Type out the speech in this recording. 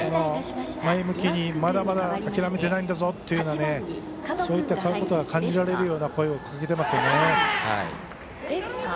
前向きにまだまだ諦めてないんだぞというそういったことが感じられるような声をかけてますよね。